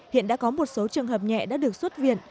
hiện đã có một số trường hợp nhẹ đã được xuất viện